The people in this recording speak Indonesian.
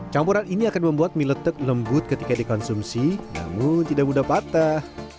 campuran ini akan membuat mie letek lembut ketika dikonsumsi namun tidak mudah patah